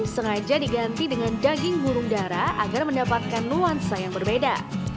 sengaja diganti dengan daging burung darah agar mendapatkan nuansa yang berbeda